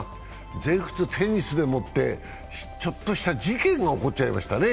全仏テニスでもって、ちょっとした事件が起こっちゃいましたね。